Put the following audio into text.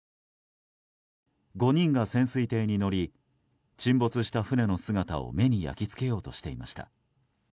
５人が潜水艇に乗り沈没した船の姿を目に焼き付けようとしていました。